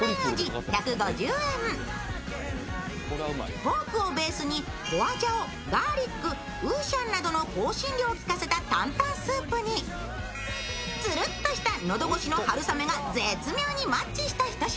ポークをベースにホアジャオ、ガーリック、ウーシャンなどの香辛料をきかせた担々スープにつるっとしたのどごしの春雨が絶妙にマッチしたひと品。